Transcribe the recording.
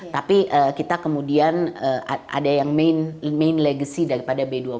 tapi kita kemudian ada yang main legacy daripada b dua puluh